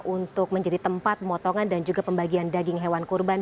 untuk menjadi tempat pemotongan dan juga pembagian daging hewan kurban